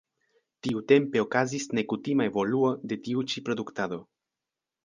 Tiutempe okazis nekutima evoluo de tiu ĉi produktado.